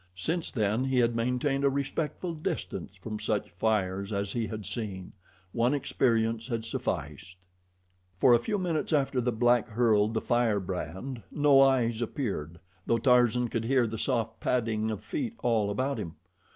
Since then he had maintained a respectful distance from such fires as he had seen. One experience had sufficed. For a few minutes after the black hurled the firebrand no eyes appeared, though Tarzan could hear the soft padding of feet all about him.